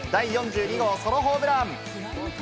第４２号ソロホームラン！